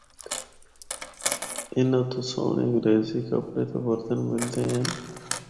اناں تو سہنڑے انگریزی کپڑے تے برتن ملدے ہن۔